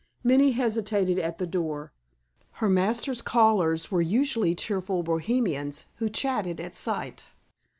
Minnie hesitated at the door. Her master's callers were usually cheerful Bohemians, who chatted at sight.